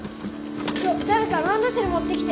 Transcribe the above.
ちょだれかランドセルもってきて。